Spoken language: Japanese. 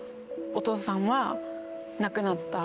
「お父さんは亡くなった」。